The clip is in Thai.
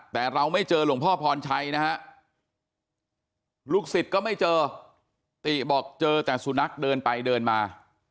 แต่เราไม่เจอหลวงพ่อพรชัยนะฮะลูกศิษย์ก็ไม่เจอติบอกเจอแต่สุนัขเดินไปเดินมา